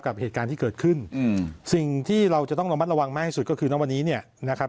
กับเหตุการณ์ที่เกิดขึ้นอืมสิ่งที่เราจะต้องระมัดระวังมากที่สุดก็คือณวันนี้เนี่ยนะครับ